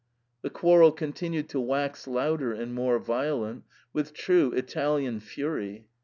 The quarrel continued to wax louder and more violent, with true Italian fury.